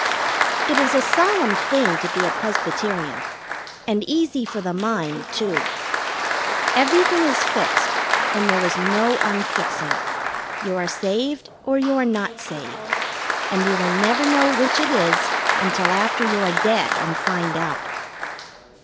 It is a solemn thing to be a Presbyterian, and easy for the mind, too. Everything is fixed, and there is no unfixing. You are saved or you are not saved, and you will never know which it is until after you are dead and find out.